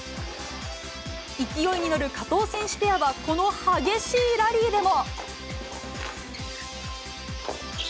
勢いに乗る加藤選手ペアはこの激しいラリーでも。